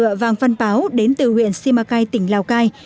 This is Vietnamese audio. giải đua vàng văn báo đến từ huyện simacai tỉnh lào cai